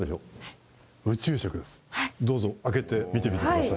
どうぞ開けて見てみてください。